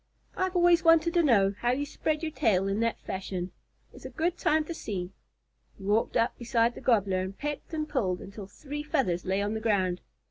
"I've always wanted to know how you spread your tail in that fashion. It's a good time to see." He walked up beside the Gobbler and pecked and pulled until three feathers lay on the ground.